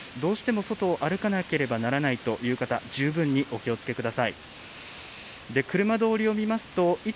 外を歩かなければならないという方、十分にお気をつけください。